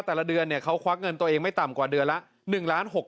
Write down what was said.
แต่ละเดือนเขาควักเงินตัวเองไม่ต่ำกว่าเดือนละ